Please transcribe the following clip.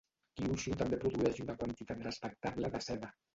Kyushu també produeix una quantitat respectable de seda.